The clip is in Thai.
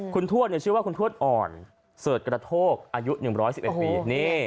คุณทวดชื่อว่าคุณทวดอ่อนเสิร์ชกระโทกอายุ๑๑๑ปี